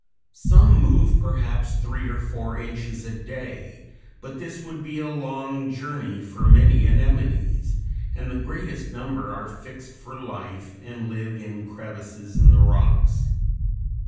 Some move perhaps three or four inches a day; but this would be a long journey for many anemones, and the greatest number are fixed for life and live in crevices in the rocks.